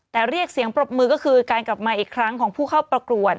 แต่เรียกเสียงปรบมือก็คือการกลับมาอีกครั้งของผู้เข้าประกวด